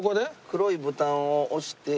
黒いボタンを押して。